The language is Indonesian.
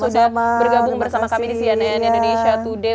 sudah bergabung bersama kami di cnn indonesia today